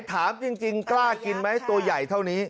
ถามจริงกล้ากินไหมตัวใหญ่เท่านี้